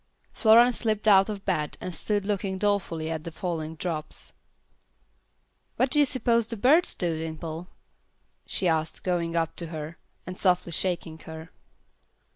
Florence slipped out of bed and stood looking dolefully at the falling drops. "What do you suppose the birds do, Dimple?" she asked, going up to her, and softly shaking her.